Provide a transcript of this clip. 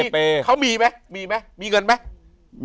เปเค้ามีไหมมีมั้ยมีเงินไหม